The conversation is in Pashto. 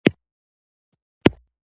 او که خدای دي په نصیب کړی انسان وي